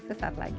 ke saat lagi